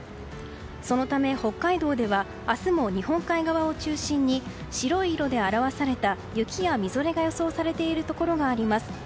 そのため、北海道では明日も日本海側を中心に白い色で表された雪やみぞれが予想されているところがあります。